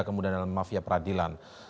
kemudian mafia peradilan